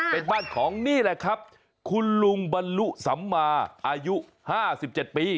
เป็นบ้านของนี่แหละครับคุณลุงบรรลุสัมมาอายุ๕๗ปี